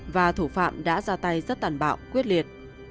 và thủ phạm đã ra tay rất tàn bạo quyết liệt